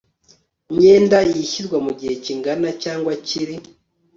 myenda yishyurwa mu gihe kingana cyangwa kiri